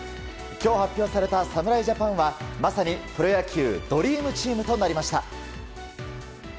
今日発表された侍ジャパンはまさにプロ野球ドリームチームとなりました。